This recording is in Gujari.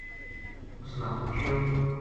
اس نا پُچھیو